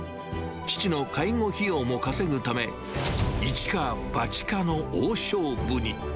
父の介護費用も稼ぐため、一か八かの大勝負に。